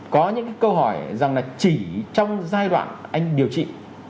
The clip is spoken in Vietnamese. có những câu hỏi rằng là chỉ trong giai đoạn anh điều trị